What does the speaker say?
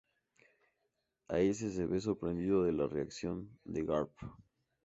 Ace se ve sorprendido de la reacción de Garp.